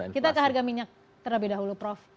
kita ke harga minyak terlebih dahulu prof